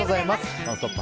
「ノンストップ！」